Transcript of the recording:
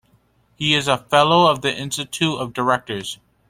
He is a Fellow of the Institute of Directors.